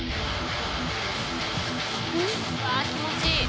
うわ気持ちいい。